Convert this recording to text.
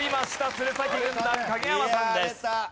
鶴崎軍団影山さんです。